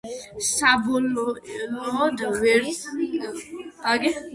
საბოლოოდ, ვერც ერთი მხარე ვერ გაიმარჯვებს.